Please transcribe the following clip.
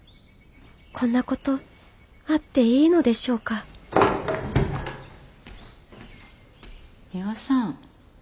こんなことあっていいのでしょうかミワさん。